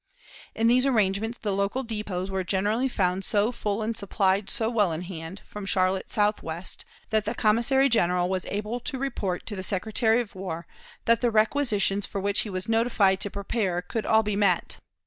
In these arrangements the local depots were generally found so full and supplied so well in hand, from Charlotte southwest, that the commissary general was able to report to the Secretary of War that the requisitions for which he was notified to prepare could all be met.